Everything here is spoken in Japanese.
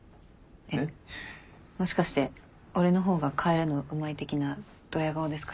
もしかして俺のほうが替えるのうまい的などや顔ですか？